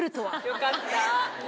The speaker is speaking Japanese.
・よかった・